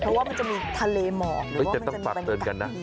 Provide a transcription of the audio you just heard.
เพราะว่ามันจะมีทะเลหมอบหรือว่ามันจะมีบรรยากาศดี